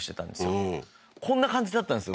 こんな感じだったんですよ